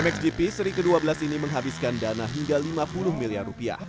mxgp seri ke dua belas ini menghabiskan dana hingga rp lima puluh miliar